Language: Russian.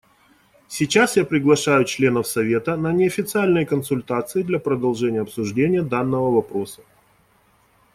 Сейчас я приглашаю членов Совета на неофициальные консультации для продолжения обсуждения данного вопроса.